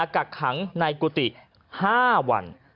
กักขังในกุฏิ๕วัน